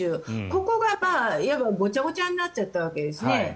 ここが、いわばごちゃごちゃになっちゃったわけですね。